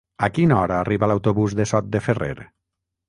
A quina hora arriba l'autobús de Sot de Ferrer?